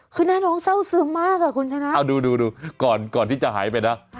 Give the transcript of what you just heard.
คือหน้าน้องเศร้าซึ้งมากอ่ะคุณชนะเอาดูดูก่อนก่อนที่จะหายไปนะ